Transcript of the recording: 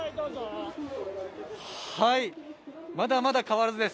まだまだ変わらずです。